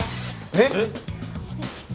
えっ！？